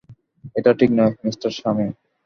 এটা ঠিক নয়, মিস্টার স্বামী।